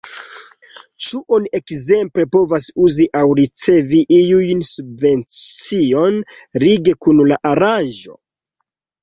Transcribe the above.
Ĉu oni ekzemple povas uzi aŭ ricevi iujn subvenciojn lige kun la aranĝo?